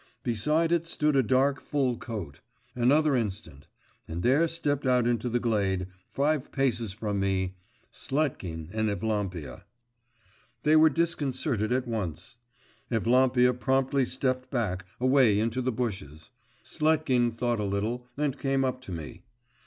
Beside it stood a dark full coat. Another instant and there stepped out into the glade, five paces from me, Sletkin and Evlampia. They were disconcerted at once. Evlampia promptly stepped back, away into the bushes. Sletkin thought a little, and came up to me.